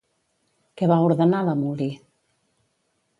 Què va ordenar l'Amuli?